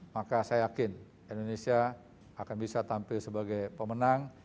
maka saya yakin indonesia akan bisa tampil sebagai pemenang